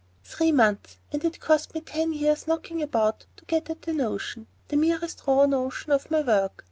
Three months!—and it cost me ten years' knocking about to get at the notion, the merest raw notion, of my work.